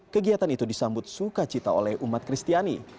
kegiatan itu disambut sukacita oleh umat kristiani